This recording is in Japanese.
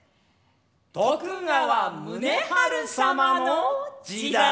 徳川宗春様の時代！